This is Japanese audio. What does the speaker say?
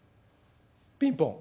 「ピンポン」。